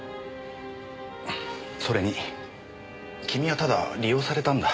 それに君はただ利用されたんだ。